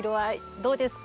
どうですか？